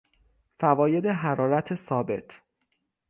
فواید حرارت ثابت